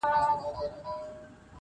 جنابِ عشقه ما کفن له ځان سره راوړی,